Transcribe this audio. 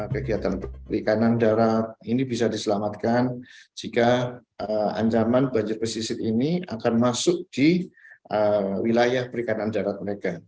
kegiatan perikanan darat ini bisa diselamatkan jika ancaman banjir pesisir ini akan masuk di wilayah perikanan darat mereka